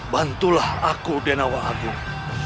bantulah aku denawa agung